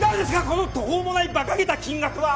この途方もないバカげた金額は！